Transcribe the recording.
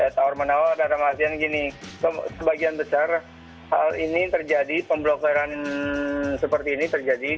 tawar menawar dalam artian gini sebagian besar hal ini terjadi pemblokiran seperti ini terjadi